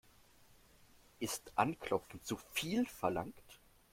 Ist anklopfen zu viel verlangt?